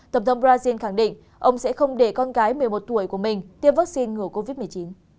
tổng thống brazil khẳng định ông sẽ không để con gái một mươi một tuổi của mình tiêm vaccine ngừa covid một mươi chín